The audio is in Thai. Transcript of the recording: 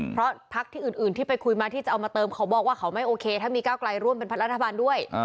เพราะพักที่อื่นที่ไปคุยมาที่จะเอามาเติมเขาบอกว่าเขาไม่โอเคถ้ามีก้าวไกลร่วมเป็นพักรัฐบาลด้วย